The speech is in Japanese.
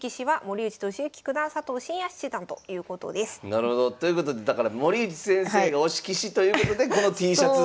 なるほど。ということでだから森内先生が推し棋士ということでこのＴシャツ。